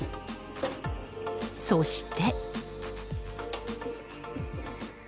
そして。